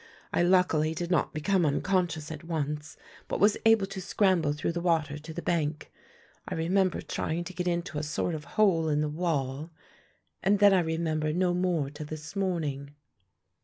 I luckily did not become unconscious at once, but was able to scramble through the water to the bank. I remember trying to get into a sort of hole in the wall, and then I remember no more till this morning."